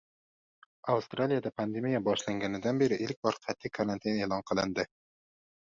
Avstraliyada pandemiya boshlanganidan beri ilk bor qat’iy karantin e’lon qilindi